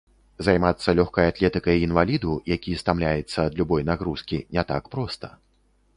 Займацца лёгкай атлетыкай інваліду, які стамляецца ад любой нагрузкі, не так проста.